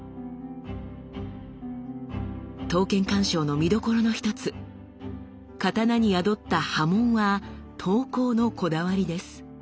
刀剣鑑賞の見どころの一つ刀に宿った刃文は刀工のこだわりです。